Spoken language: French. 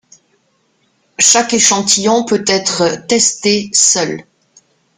Chaque échantillon peut être testé seul.